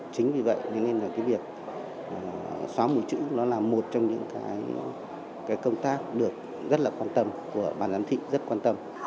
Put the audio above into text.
chính vì vậy nên là cái việc xóa mùi chữ nó là một trong những cái công tác được rất là quan tâm của bản giám thị rất quan tâm